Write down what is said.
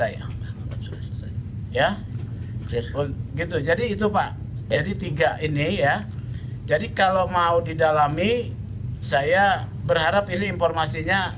ya gitu jadi itu pak jadi tiga ini ya jadi kalau mau didalami saya berharap ini informasinya